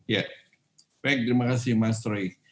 ya baik terima kasih mas roy